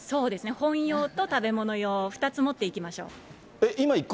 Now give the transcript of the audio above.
本用と食べ物用、２つ持っていきましょう。